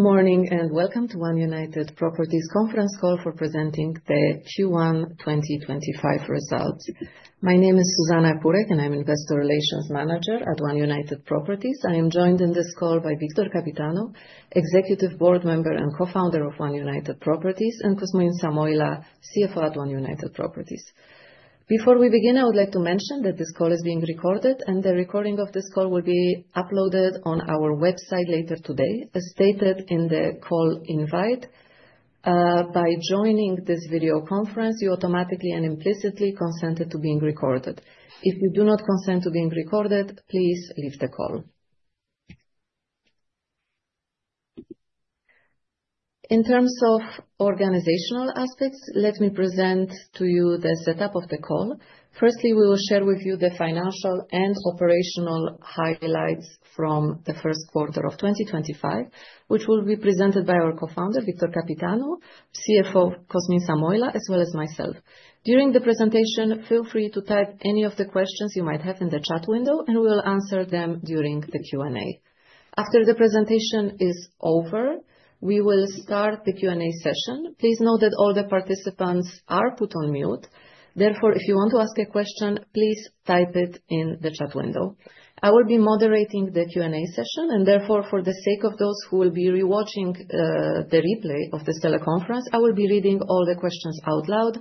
Good morning and welcome to One United Properties' conference call for presenting the Q1 2025 results. My name is Zuzanna Kurek, and I'm Investor Relations Manager at One United Properties. I am joined in this call by Victor Căpitanu, Executive Board Member and Co-founder of One United Properties, and Cosmin Samoilă, CFO at One United Properties. Before we begin, I would like to mention that this call is being recorded, and the recording of this call will be uploaded on our website later today. As stated in the call invite, by joining this video conference, you automatically and implicitly consented to being recorded. If you do not consent to being recorded, please leave the call. In terms of organizational aspects, let me present to you the setup of the call. Firstly, we will share with you the financial and operational highlights from the first quarter of 2025, which will be presented by our Co-founder, Victor Căpitanu, CFO Cosmin Samoilă, as well as myself. During the presentation, feel free to type any of the questions you might have in the chat window, and we will answer them during the Q&A. After the presentation is over, we will start the Q&A session. Please note that all the participants are put on mute. Therefore, if you want to ask a question, please type it in the chat window. I will be moderating the Q&A session, and therefore, for the sake of those who will be rewatching the replay of this teleconference, I will be reading all the questions out loud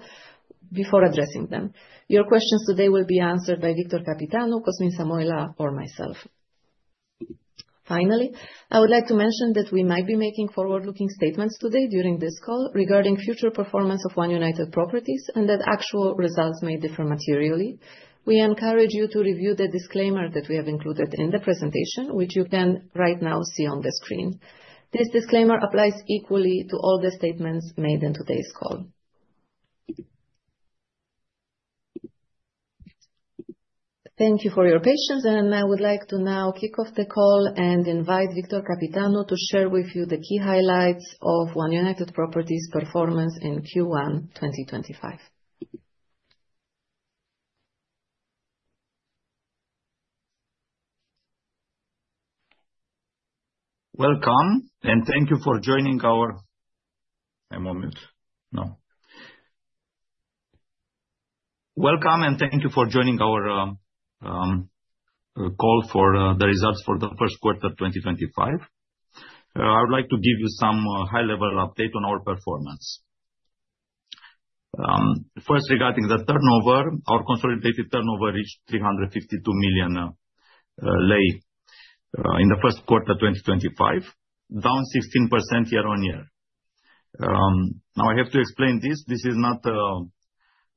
before addressing them. Your questions today will be answered by Victor Căpitanu, Cosmin Samoilă, or myself. Finally, I would like to mention that we might be making forward-looking statements today during this call regarding future performance of One United Properties and that actual results may differ materially. We encourage you to review the disclaimer that we have included in the presentation, which you can right now see on the screen. This disclaimer applies equally to all the statements made in today's call. Thank you for your patience, and I would like to now kick off the call and invite Victor Căpitanu to share with you the key highlights of One United Properties' performance in Q1 2025. Welcome, and thank you for joining our call for the results for the first quarter of 2025. I would like to give you some high-level updates on our performance. First, regarding the turnover, our consolidated turnover reached RON 352 million in the first quarter of 2025, down 16% year-on-year. Now, I have to explain this: this is not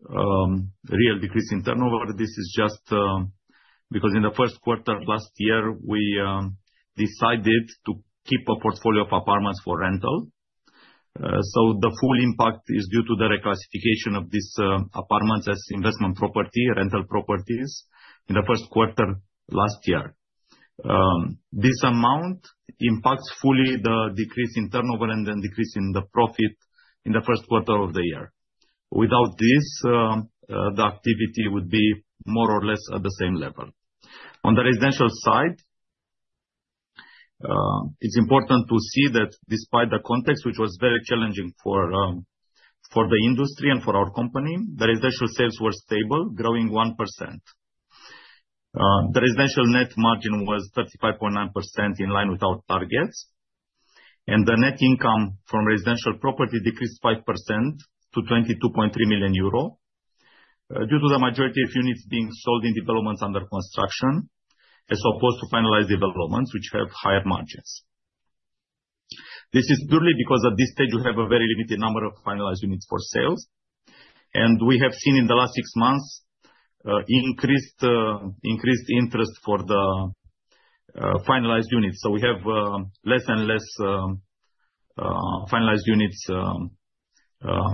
a real decrease in turnover. This is just because in the first quarter last year, we decided to keep a portfolio of apartments for rental. The full impact is due to the reclassification of these apartments as investment property, rental properties, in the first quarter last year. This amount impacts fully the decrease in turnover and then decrease in the profit in the first quarter of the year. Without this, the activity would be more or less at the same level. On the residential side, it's important to see that despite the context, which was very challenging for the industry and for our company, the residential sales were stable, growing 1%. The residential net margin was 35.9%, in line with our targets, and the net income from residential property decreased 5% to 22.3 million euro due to the majority of units being sold in developments under construction as opposed to finalized developments, which have higher margins. This is purely because at this stage, we have a very limited number of finalized units for sales, and we have seen in the last six months increased interest for the finalized units. We have less and less finalized units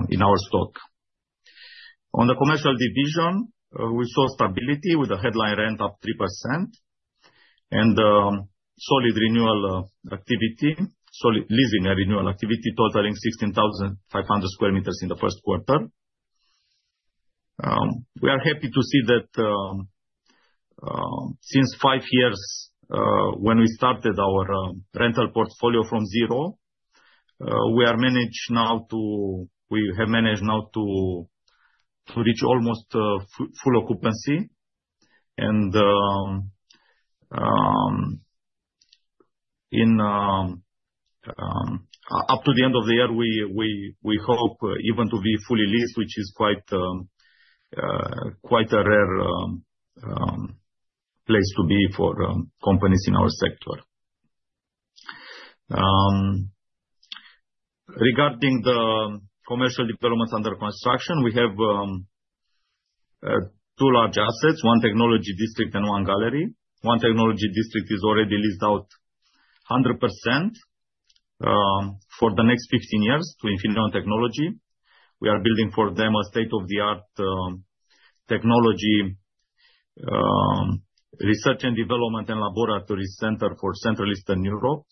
in our stock. On the commercial division, we saw stability with a headline rent of 3% and solid leasing and renewal activity totaling 16,500 sq m in the first quarter. We are happy to see that since five years when we started our rental portfolio from zero, we are now to—we have managed now to reach almost full occupancy. Up to the end of the year, we hope even to be fully leased, which is quite a rare place to be for companies in our sector. Regarding the commercial developments under construction, we have two large assets: One Technology District and One Gallery. One Technology District is already leased out 100% for the next 15 years to Infineon Technologies. We are building for them a state-of-the-art technology research and development and laboratory center for Central Eastern Europe,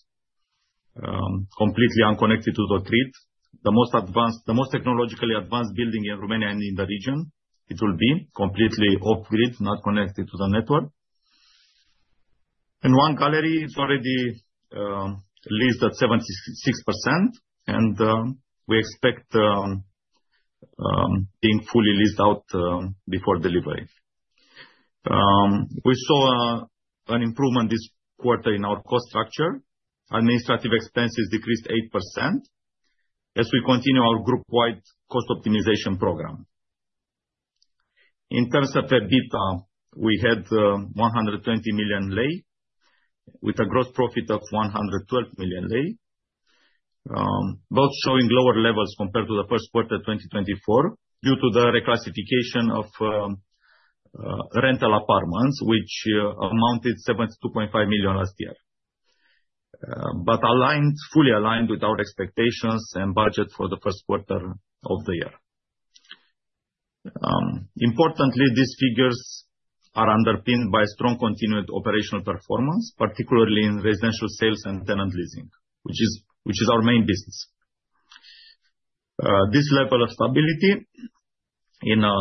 completely unconnected to the grid. The most technologically advanced building in Romania and in the region, it will be completely off-grid, not connected to the network. One Gallery is already leased at 76%, and we expect being fully leased out before delivery. We saw an improvement this quarter in our cost structure. Administrative expenses decreased 8% as we continue our group-wide cost optimization program. In terms of EBITDA, we had RON 120 million with a gross profit of RON 112 million, both showing lower levels compared to the first quarter 2024 due to the reclassification of rental apartments, which amounted to RON 72.5 million last year, but fully aligned with our expectations and budget for the first quarter of the year. Importantly, these figures are underpinned by strong continued operational performance, particularly in residential sales and tenant leasing, which is our main business. This level of stability in a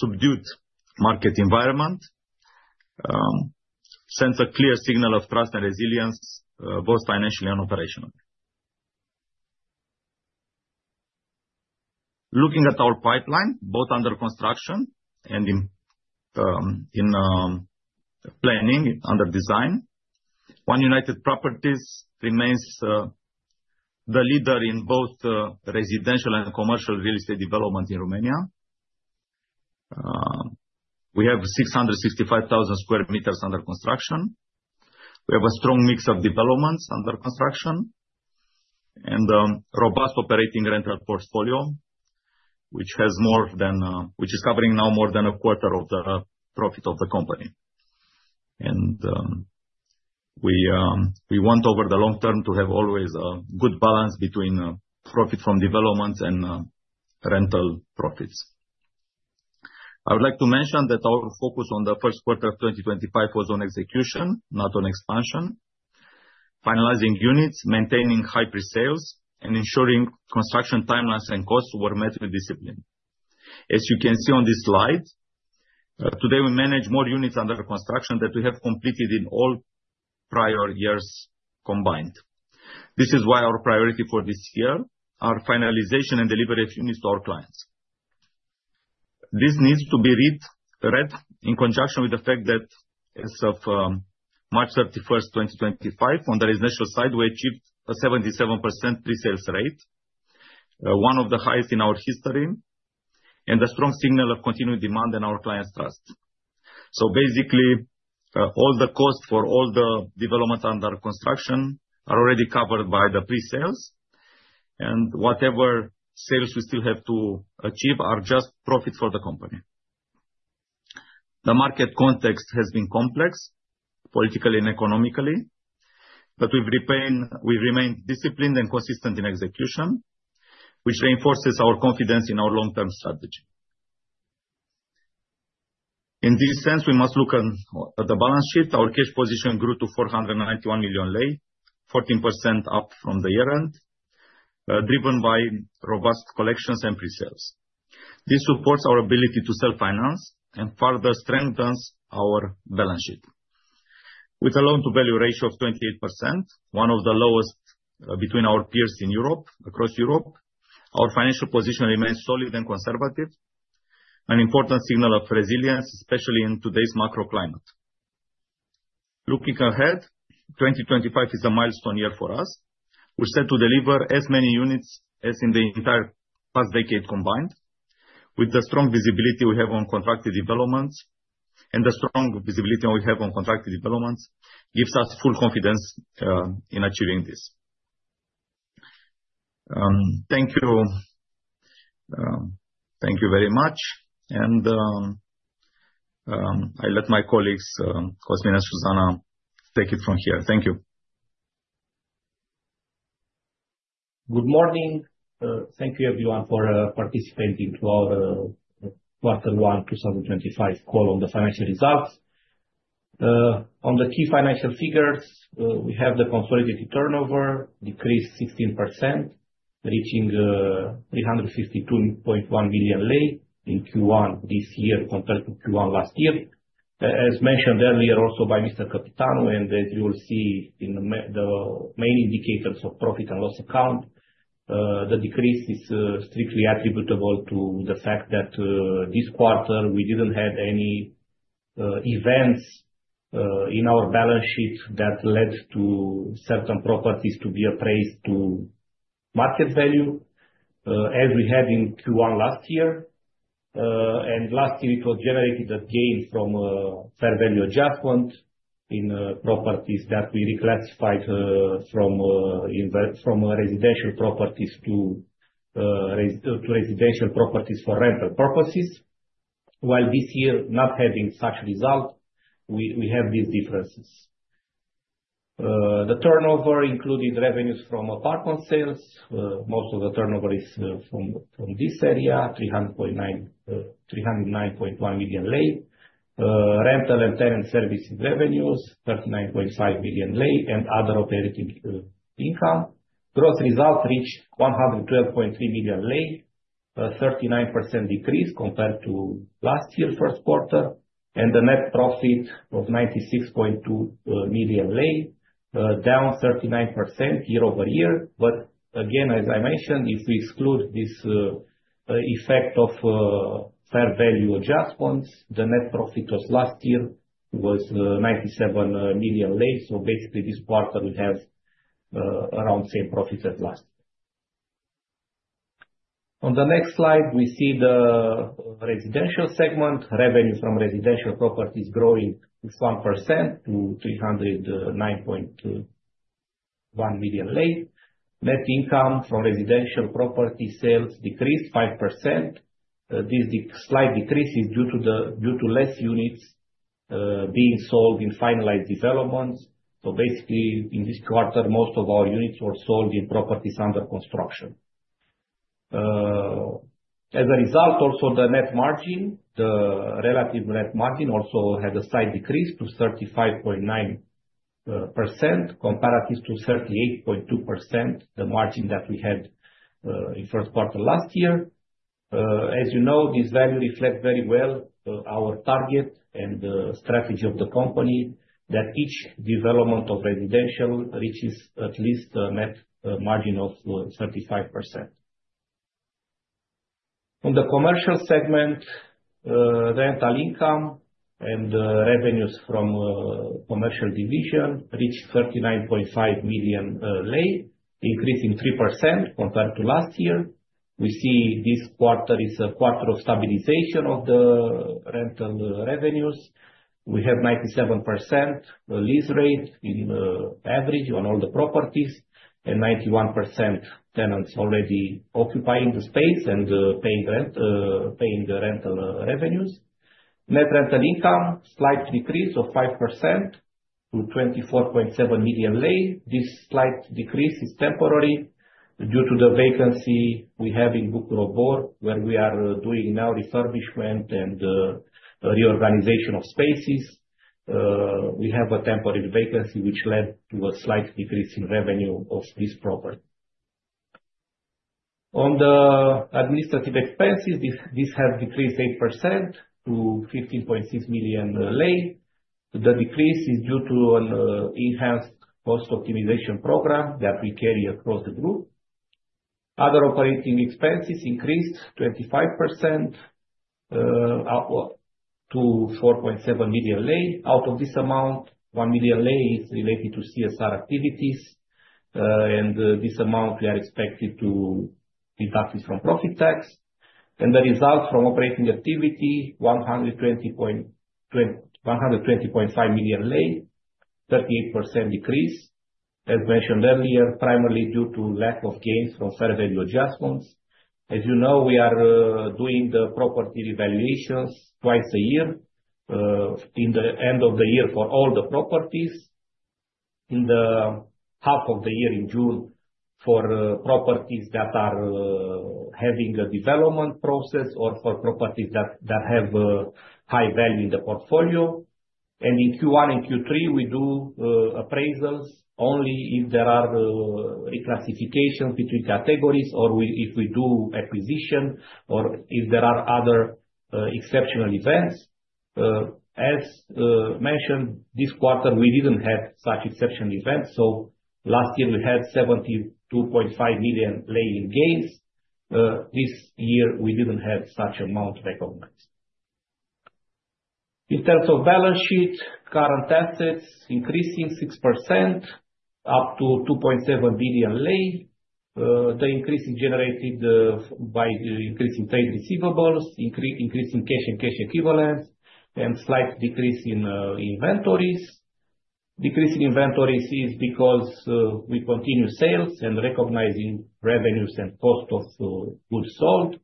subdued market environment sends a clear signal of trust and resilience, both financially and operationally. Looking at our pipeline, both under construction and in planning, under design, One United Properties remains the leader in both residential and commercial real estate development in Romania. We have 665,000 sq m under construction. We have a strong mix of developments under construction and a robust operating rental portfolio, which is covering now more than a quarter of the profit of the company. We want, over the long term, to have always a good balance between profit from developments and rental profits. I would like to mention that our focus on the first quarter of 2025 was on execution, not on expansion, finalizing units, maintaining high pre-sales, and ensuring construction timelines and costs were met with discipline. As you can see on this slide, today we manage more units under construction than we have completed in all prior years combined. This is why our priority for this year is our finalization and delivery of units to our clients. This needs to be read in conjunction with the fact that as of March 31, 2025, on the residential side, we achieved a 77% pre-sales rate, one of the highest in our history, and a strong signal of continued demand and our clients' trust. Basically, all the costs for all the developments under construction are already covered by the pre-sales, and whatever sales we still have to achieve are just profit for the company. The market context has been complex politically and economically, but we've remained disciplined and consistent in execution, which reinforces our confidence in our long-term strategy. In this sense, we must look at the balance sheet. Our cash position grew to RON 491 million, 14% up from the year-end, driven by robust collections and pre-sales. This supports our ability to self-finance and further strengthens our balance sheet. With a loan-to-value ratio of 28%, one of the lowest between our peers across Europe, our financial position remains solid and conservative, an important signal of resilience, especially in today's macro climate. Looking ahead, 2025 is a milestone year for us. We're set to deliver as many units as in the entire past decade combined, with the strong visibility we have on contracted developments, and the strong visibility we have on contracted developments gives us full confidence in achieving this. Thank you. Thank you very much, and I'll let my colleagues, Cosmin and Zuzanna, take it from here. Thank you. Good morning. Thank you, everyone, for participating to our Quarter 1 2025 call on the financial results. On the key financial figures, we have the consolidated turnover decreased 16%, reaching RON 352.1 million in Q1 this year compared to Q1 last year, as mentioned earlier also by Mr. Căpitanu. As you will see in the main indicators of profit and loss account, the decrease is strictly attributable to the fact that this quarter we did not have any events in our balance sheet that led to certain properties to be appraised to market value, as we had in Q1 last year. Last year, it was generated a gain from fair value adjustment in properties that we reclassified from residential properties to residential properties for rental purposes. While this year, not having such result, we have these differences. The turnover included revenues from apartment sales. Most of the turnover is from this area, RON 309.1 million. Rental and tenant services revenues, RON 39.5 million, and other operating income. Gross result reached RON 112.3 million, a 39% decrease compared to last year, first quarter, and a net profit of RON 96.2 million, down 39% year-over-year. As I mentioned, if we exclude this effect of fair value adjustments, the net profit last year was RON 97 million. Basically, this quarter, we have around the same profit as last year. On the next slide, we see the residential segment revenue from residential properties growing 1% to RON 309.1 million. Net income from residential property sales decreased 5%. This slight decrease is due to less units being sold in finalized developments. Basically, in this quarter, most of our units were sold in properties under construction. As a result, also the net margin, the relative net margin also had a slight decrease to 35.9% comparative to 38.2%, the margin that we had in first quarter last year. As you know, this value reflects very well our target and strategy of the company that each development of residential reaches at least a net margin of 35%. On the commercial segment, rental income and revenues from the commercial division reached RON 39.5 million, increasing 3% compared to last year. We see this quarter is a quarter of stabilization of the rental revenues. We have 97% lease rate in average on all the properties and 91% tenants already occupying the space and paying rental revenues. Net rental income slight decrease of 5% to RON 24.7 million. This slight decrease is temporary due to the vacancy we have in Bucur Obor, where we are doing now refurbishment and reorganization of spaces. We have a temporary vacancy, which led to a slight decrease in revenue of this property. On the administrative expenses, this has decreased 8% to RON 15.6 million. The decrease is due to an enhanced cost optimization program that we carry across the group. Other operating expenses increased 25% to RON 4.7 million. Out of this amount, RON 1 million is related to CSR activities, and this amount we are expected to deduct from profit tax. The result from operating activity, RON 120.5 million, 38% decrease, as mentioned earlier, is primarily due to lack of gains from fair value adjustments. As you know, we are doing the property revaluations twice a year. In the end of the year for all the properties, in the half of the year in June for properties that are having a development process or for properties that have high value in the portfolio. In Q1 and Q3, we do appraisals only if there are reclassifications between categories or if we do acquisition or if there are other exceptional events. As mentioned, this quarter, we didn't have such exceptional events. Last year, we had RON 72.5 million in gains. This year, we didn't have such amount recognized. In terms of balance sheet, current assets increasing 6% up to RON 2.7 billion. The increase is generated by increasing trade receivables, increasing cash and cash equivalents, and slight decrease in inventories. Decreasing inventories is because we continue sales and recognizing revenues and cost of goods sold.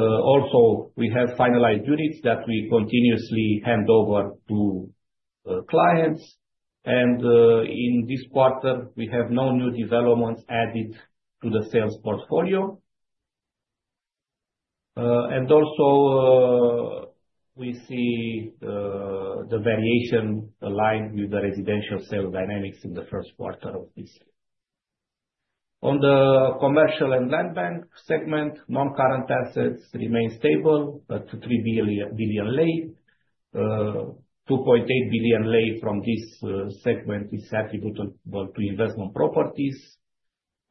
Also, we have finalized units that we continuously hand over to clients. In this quarter, we have no new developments added to the sales portfolio. We see the variation aligned with the residential sales dynamics in the first quarter of this year. On the commercial and land bank segment, non-current assets remain stable, up to RON 3 billion. RON 2.8 billion from this segment is attributable to investment properties.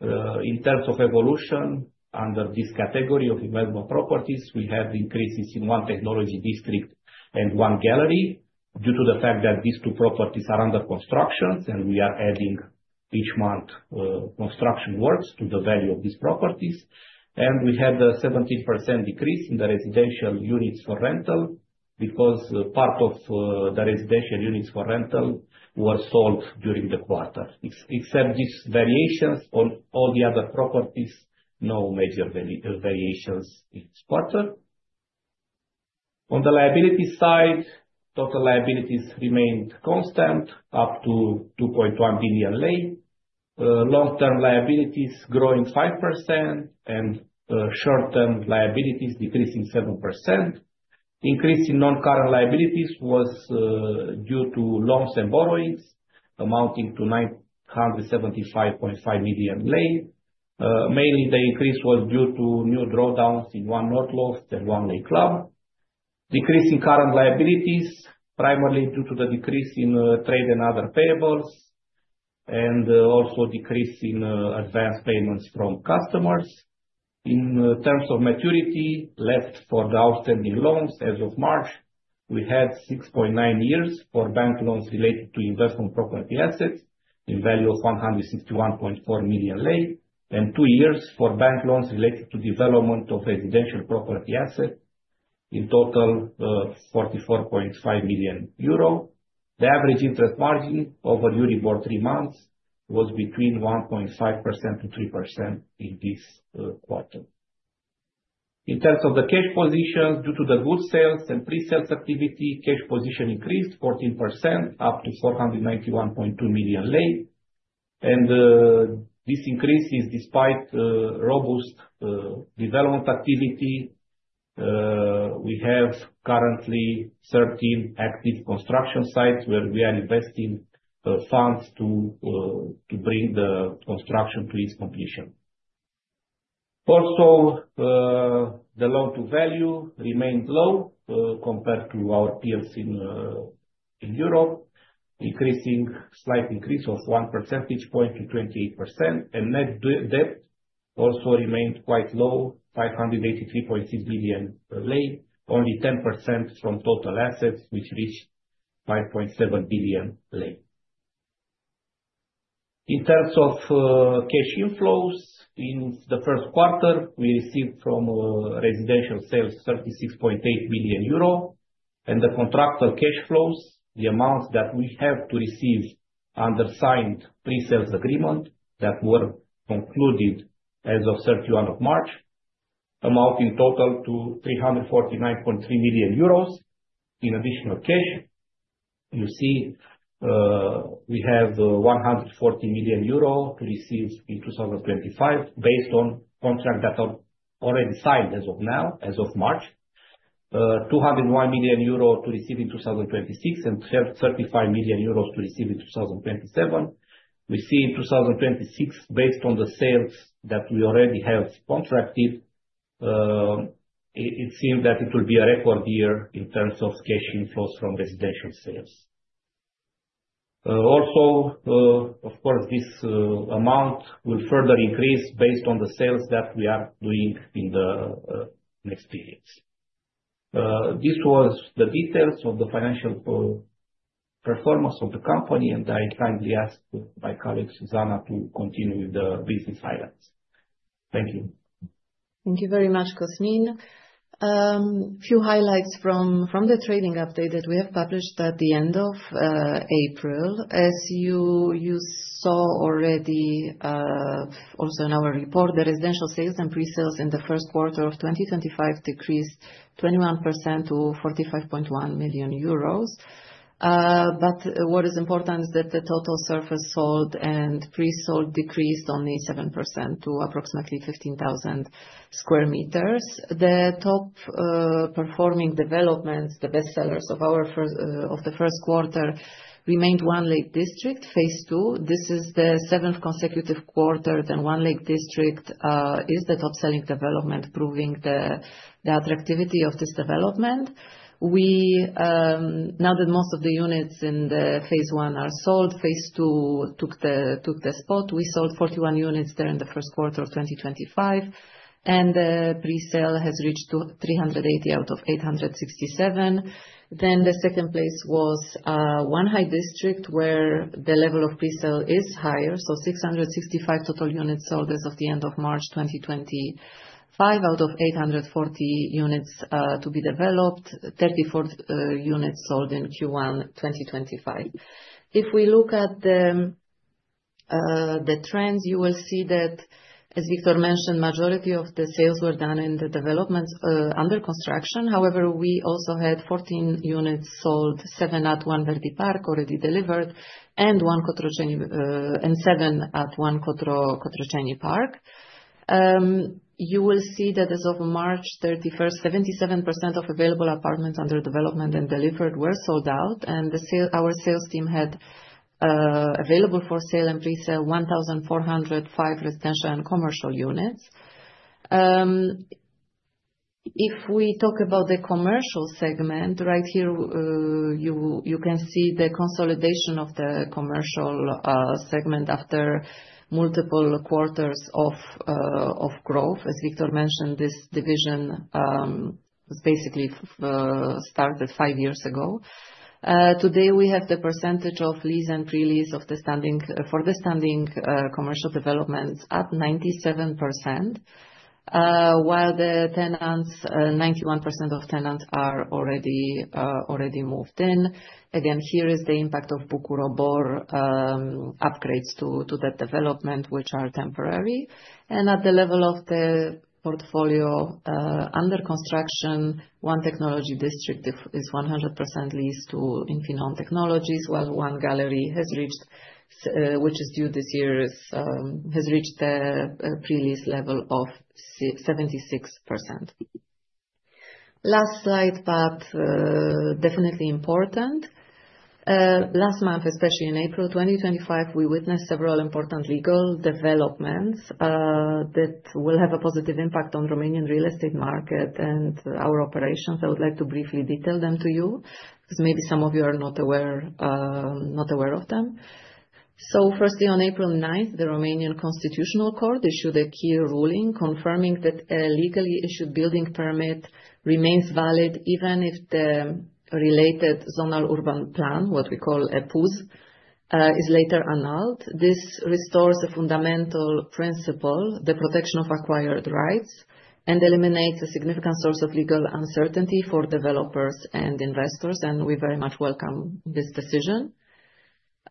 In terms of evolution under this category of investment properties, we have increases in One Technology District and One Gallery due to the fact that these two properties are under construction, and we are adding each month construction works to the value of these properties. We had a 17% decrease in the residential units for rental because part of the residential units for rental were sold during the quarter. Except these variations on all the other properties, no major variations in this quarter. On the liability side, total liabilities remained constant up to RON 2.1 billion. Long-term liabilities growing 5% and short-term liabilities decreasing 7%. Increase in non-current liabilities was due to loans and borrowings amounting to RON 975.5 million. Mainly, the increase was due to new drawdowns in One North Loft and One Lake Club. Decrease in current liabilities primarily due to the decrease in trade and other payables and also decrease in advance payments from customers. In terms of maturity left for the outstanding loans, as of March, we had 6.9 years for bank loans related to investment property assets in value of RON 161.4 million and 2 years for bank loans related to development of residential property assets in total 44.5 million euro. The average interest margin over during both three months was between 1.5%-3% in this quarter. In terms of the cash positions, due to the good sales and pre-sales activity, cash position increased 14% up to RON 491.2 million. This increase is despite robust development activity. We have currently 13 active construction sites where we are investing funds to bring the construction to its completion. Also, the loan-to-value remained low compared to our peers in Europe, with a slight increase of 1 percentage point to 28%. Net debt also remained quite low, RON 583.6 million, only 10% from total assets, which reached RON 5.7 billion. In terms of cash inflows, in the first quarter, we received from residential sales 36.8 million euro. The contractor cash flows, the amounts that we have to receive under signed pre-sales agreement that were concluded as of 31 March, amount in total to 349.3 million euros in additional cash. You see we have 140 million euro to receive in 2025 based on contracts that are already signed as of now, as of March, 201 million euro to receive in 2026, and 35 million euros to receive in 2027. We see in 2026, based on the sales that we already have contracted, it seems that it will be a record year in terms of cash inflows from residential sales. Also, of course, this amount will further increase based on the sales that we are doing in the next periods. This was the details of the financial performance of the company, and I kindly ask my colleague Zuzanna to continue with the business highlights. Thank you. Thank you very much, Cosmin. A few highlights from the trading update that we have published at the end of April. As you saw already also in our report, the residential sales and pre-sales in the first quarter of 2025 decreased 21% to 45.1 million euros. What is important is that the total surface sold and pre-sold decreased only 7% to approximately 15,000 sq m. The top performing developments, the best sellers of the first quarter, remained One Lake District, Phase 2. This is the seventh consecutive quarter that One Lake District is the top selling development, proving the attractivity of this development. Now that most of the units in Phase 1 are sold, Phase 2 took the spot. We sold 41 units there in the first quarter of 2025, and the pre-sale has reached 380 out of 867. The second place was One High District, where the level of pre-sale is higher, so 665 total units sold as of the end of March 2025 out of 840 units to be developed, 34 units sold in Q1 2025. If we look at the trends, you will see that, as Victor mentioned, the majority of the sales were done in the developments under construction. However, we also had 14 units sold, 7 at One Verdi Park, already delivered, and 7 at One Cotroceni Park. You will see that as of March 31, 77% of available apartments under development and delivered were sold out, and our sales team had available for sale and pre-sale 1,405 residential and commercial units. If we talk about the commercial segment, right here, you can see the consolidation of the commercial segment after multiple quarters of growth. As Victor mentioned, this division was basically started five years ago. Today, we have the percentage of lease and pre-lease for the standing commercial developments at 97%, while 91% of tenants are already moved in. Here is the impact of Bucur Obor upgrades to that development, which are temporary. At the level of the portfolio under construction, One Technology District is 100% leased to Infineon Technologies, while One Gallery, which is due this year, has reached the pre-lease level of 76%. Last slide, but definitely important. Last month, especially in April 2025, we witnessed several important legal developments that will have a positive impact on the Romanian real estate market and our operations. I would like to briefly detail them to you because maybe some of you are not aware of them. Firstly, on April 9th, the Romanian Constitutional Court issued a key ruling confirming that a legally issued building permit remains valid even if the related Zonal Urban Plan, what we call PUZ, is later annulled. This restores a fundamental principle, the protection of acquired rights, and eliminates a significant source of legal uncertainty for developers and investors, and we very much welcome this decision.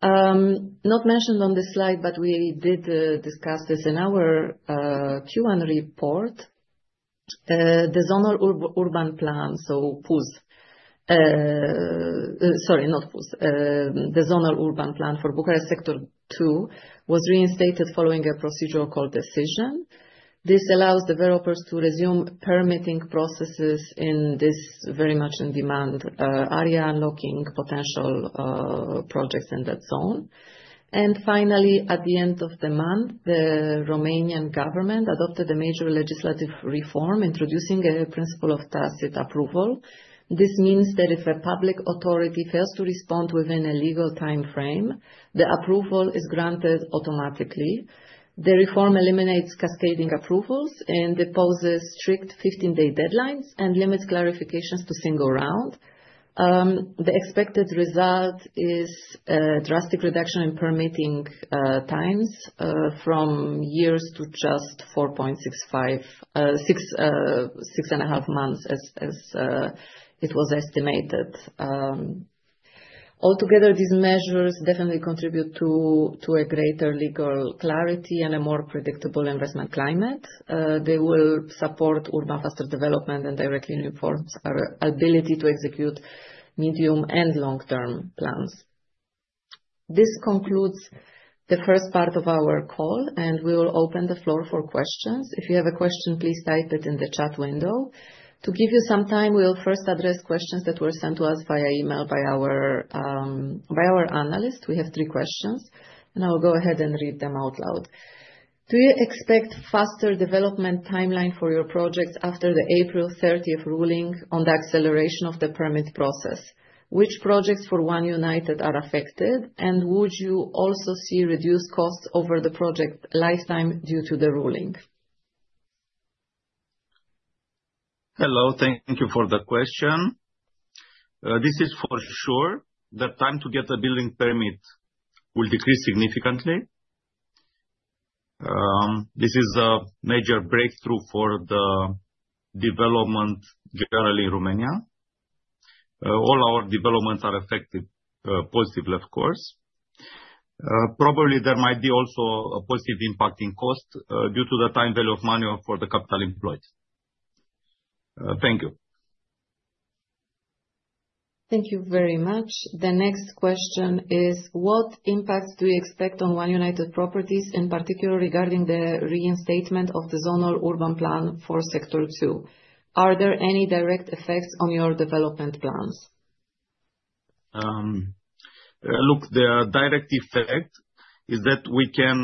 Not mentioned on the slide, but we did discuss this in our Q1 report. The Zonal Urban Plan for Bucharest Sector 2 was reinstated following a procedural court decision. This allows developers to resume permitting processes in this very much in demand area and looking at potential projects in that zone. Finally, at the end of the month, the Romanian government adopted a major legislative reform introducing a principle of tacit approval. This means that if a public authority fails to respond within a legal time frame, the approval is granted automatically. The reform eliminates cascading approvals and imposes strict 15-day deadlines and limits clarifications to a single round. The expected result is a drastic reduction in permitting times from years to just 4-6.5 months as it was estimated. Altogether, these measures definitely contribute to greater legal clarity and a more predictable investment climate. They will support faster urban development and directly inform our ability to execute medium and long-term plans. This concludes the first part of our call, and we will open the floor for questions. If you have a question, please type it in the chat window. To give you some time, we will first address questions that were sent to us via email by our analyst. We have three questions, and I will go ahead and read them out loud. Do you expect faster development timeline for your projects after the April 30th ruling on the acceleration of the permit process? Which projects for One United are affected, and would you also see reduced costs over the project lifetime due to the ruling? Hello, thank you for the question. This is for sure that time to get a building permit will decrease significantly. This is a major breakthrough for the development generally in Romania. All our developments are affected positively, of course. Probably there might be also a positive impact in cost due to the time value of money for the capital employed. Thank you. Thank you very much. The next question is, what impact do you expect on One United Properties, in particular regarding the reinstatement of the Zonal Urban Plan for Sector 2? Are there any direct effects on your development plans? Look, the direct effect is that we can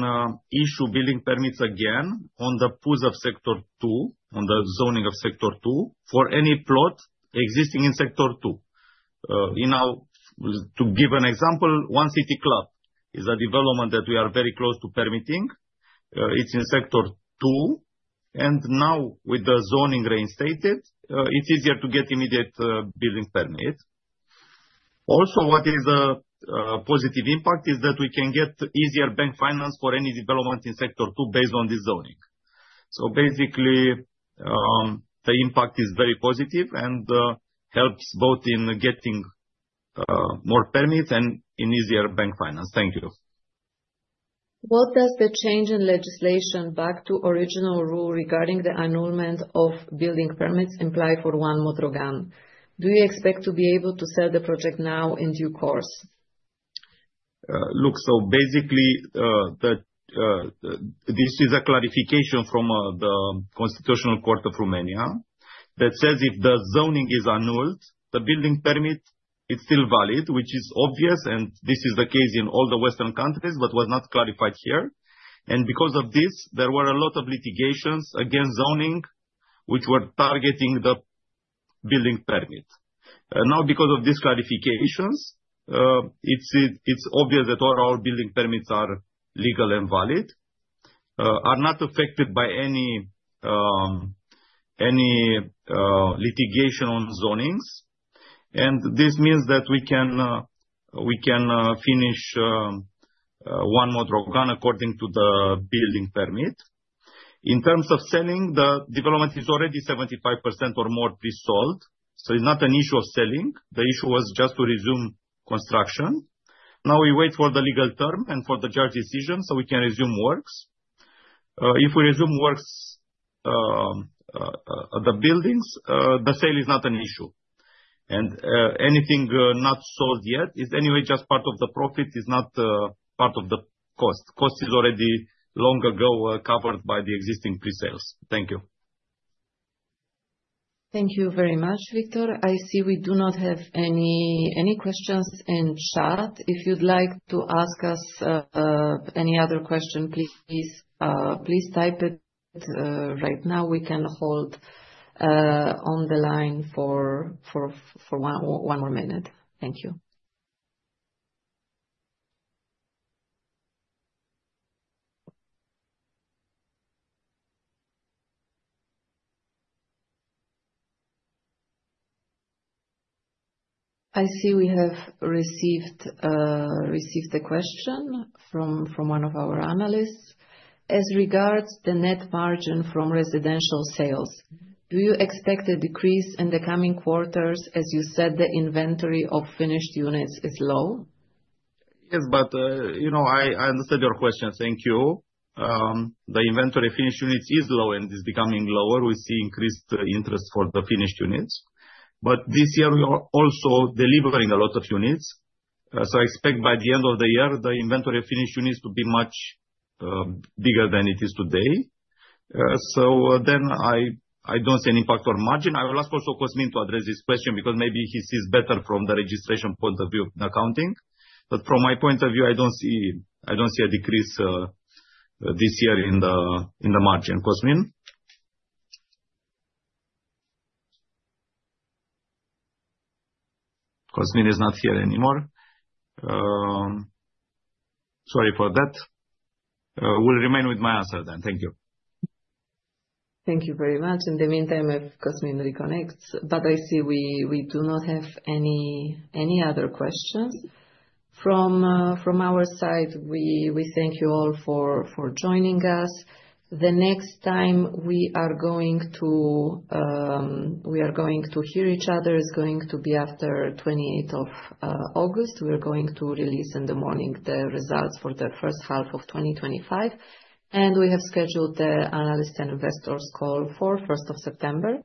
issue building permits again on the PUZ of Sector 2, on the zoning of Sector 2 for any plot existing in Sector 2. To give an example, One City Club is a development that we are very close to permitting. It's in Sector 2, and now with the zoning reinstated, it's easier to get immediate building permit. Also, what is a positive impact is that we can get easier bank finance for any development in Sector 2 based on this zoning. Basically, the impact is very positive and helps both in getting more permits and in easier bank finance. Thank you. What does the change in legislation back to original rule regarding the annulment of building permits imply for One Modrogan? Do you expect to be able to sell the project now in due course? Look, so basically, this is a clarification from the Constitutional Court of Romania that says if the zoning is annulled, the building permit is still valid, which is obvious, and this is the case in all the Western countries, but was not clarified here. Because of this, there were a lot of litigations against zoning, which were targeting the building permit. Now, because of these clarifications, it's obvious that all our building permits are legal and valid, are not affected by any litigation on zonings. This means that we can finish One Modrogan according to the building permit. In terms of selling, the development is already 75% or more pre-sold, so it's not an issue of selling. The issue was just to resume construction. Now we wait for the legal term and for the judge's decision so we can resume works. If we resume works at the buildings, the sale is not an issue. Anything not sold yet is anyway just part of the profit, is not part of the cost. Cost is already long ago covered by the existing pre-sales. Thank you. Thank you very much, Victor. I see we do not have any questions in chat. If you'd like to ask us any other question, please type it right now. We can hold on the line for one more minute. Thank you. I see we have received the question from one of our analysts. As regards the net margin from residential sales, do you expect a decrease in the coming quarters? As you said, the inventory of finished units is low. Yes, but I understand your question. Thank you. The inventory of finished units is low and is becoming lower. We see increased interest for the finished units. This year, we are also delivering a lot of units. I expect by the end of the year, the inventory of finished units to be much bigger than it is today. I do not see an impact on margin. I will ask also Cosmin to address this question because maybe he sees better from the registration point of view of accounting. From my point of view, I do not see a decrease this year in the margin. Cosmin? Cosmin is not here anymore. Sorry for that. We will remain with my answer then. Thank you. Thank you very much. In the meantime, if Cosmin reconnects, but I see we do not have any other questions. From our side, we thank you all for joining us. The next time we are going to hear each other is going to be after 28th of August. We're going to release in the morning the results for the first half of 2025. We have scheduled the analysts and investors call for 1st of September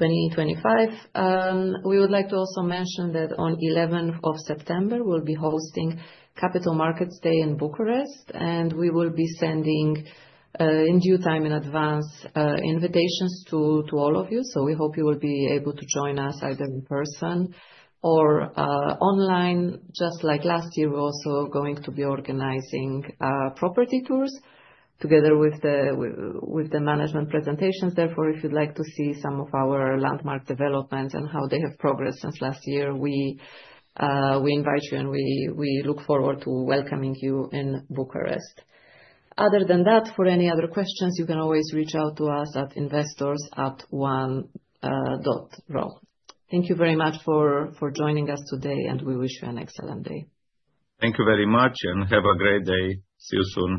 2025. We would like to also mention that on 11th of September, we'll be hosting Capital Markets Day in Bucharest, and we will be sending in due time in advance invitations to all of you. We hope you will be able to join us either in person or online. Just like last year, we're also going to be organizing property tours together with the management presentations. Therefore, if you'd like to see some of our landmark developments and how they have progressed since last year, we invite you and we look forward to welcoming you in Bucharest. Other than that, for any other questions, you can always reach out to us at investors@one.ro. Thank you very much for joining us today, and we wish you an excellent day. Thank you very much and have a great day. See you soon.